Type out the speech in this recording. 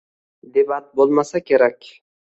Debat bo‘lmasa kerak.